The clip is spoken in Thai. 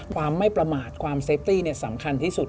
ความไม่ประมาทความเซฟตี้สำคัญที่สุด